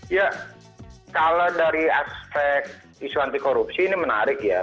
ya kalau dari aspek isu anti korupsi ini menarik ya